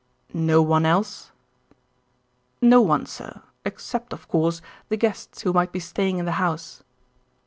"No one else?" "No one, sir, except, of course, the guests who might be staying in the house."